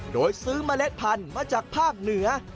โดยซื้อเมล็ดพันธุ์มาจากภาคเหนือ